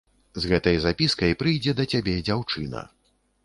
З гэтай запіскай прыйдзе да цябе дзяўчына.